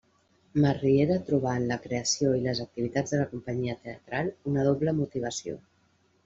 Masriera trobà en la creació i les activitats de la companyia teatral una doble motivació.